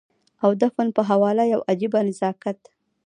او د فن په حواله يو عجيبه نزاکت